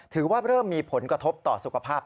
ถือว่าเริ่มมีผลกระทบต่อสุขภาพ